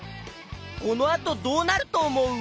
このあとどうなるとおもう？